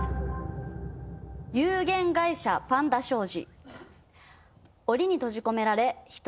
『有限会社パンダ商事』。